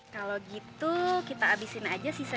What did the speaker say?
kalau gitu kita abisin aja sisa sisa